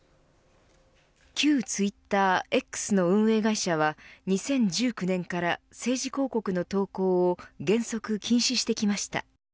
旧ツイッターＸの運営会社は２０１９年から政治広告の投稿を原則禁止してきました。